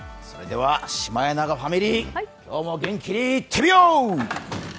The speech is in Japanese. それではシマエナガファミリー、今日も元気にいってみよう！